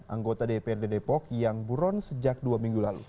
anggota dprd depok yang buron sejak dua minggu lalu